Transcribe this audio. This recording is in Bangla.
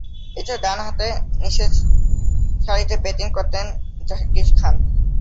এছাড়াও, ডানহাতে নিচেরসারিতে ব্যাটিং করতেন জাকির খান।